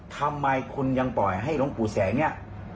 ทำไมคุณยังปล่อยให้หลวงปู่แสงเนี่ย